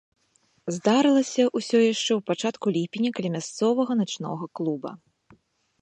Здарылася ўсё яшчэ ў пачатку ліпеня каля мясцовага начнога клуба.